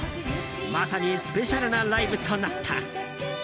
まさに、スペシャルなライブとなった。